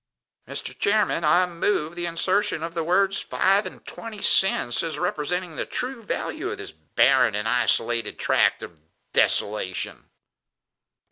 Mr. Clawson "Mr. Chairman, I move the insertion of the words five and twenty cents, as representing the true value of this barren and isolated tract of desolation."